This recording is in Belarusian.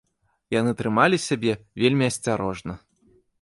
Яны трымалі сябе вельмі асцярожна.